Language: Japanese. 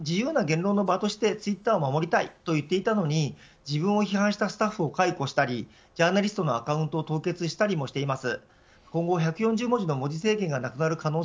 何よりも自由な言論の場としてのツイッターを守りたいと言っていたのに自分を批判したスタッフを解雇したりジャーナリストのアカウントを凍結したりしています。